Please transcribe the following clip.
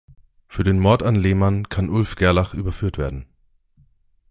Für den Mord an Lehmann kann Ulf Gerlach überführt werden.